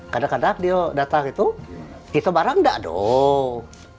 kadang kadang dia datang itu kita barang enggak dong